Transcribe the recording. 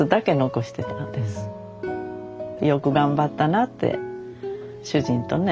よく頑張ったなって主人とね。